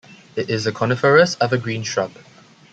It is a coniferous evergreen shrub.